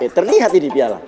eh terlihat ini piala